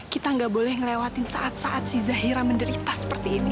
kita nggak boleh ngelewatin saat saat si zahira menderita seperti ini